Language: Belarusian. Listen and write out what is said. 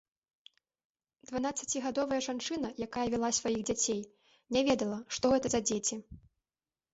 Дванаццацігадовая жанчына, якая вяла сваіх дзяцей, не ведала, што гэта за дзеці.